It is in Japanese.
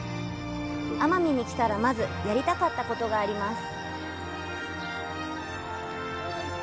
奄美に来たら、まず、やりたかったことがあります！